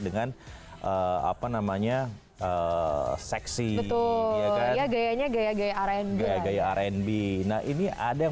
dengan apa namanya eh seksi betul ya gayanya gaya gaya rnb gaya gaya rnb nah ini ada yang